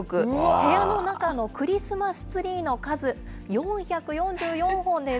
部屋の中のクリスマスツリーの数、４４４本です。